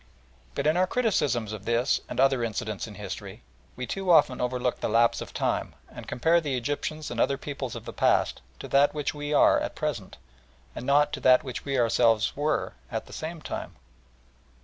But in our criticisms of this and other incidents in history we too often overlook the lapse of time and compare the Egyptians and other peoples of the past to that which we are at present, and not to that which we ourselves were at the same time.